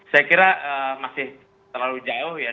saya kira masih terlalu jauh ya